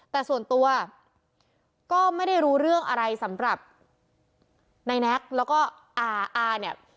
แต่ส่วนตัวก็ไม่ได้รู้เรื่องอะไรสำหรับนายแน็กแล้วก็อาเนี่ย